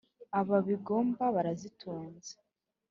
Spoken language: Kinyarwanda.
Aba b'ibigoma barazitunze!"